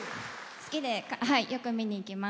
好きで、よく見に行きます。